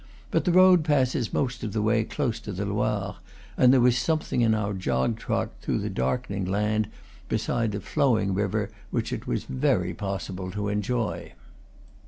But the road passes most of the way close to the Loire, and there was some thing in our jog trot through the darkening land, beside the flowing, river, which it was very possible to enjoy.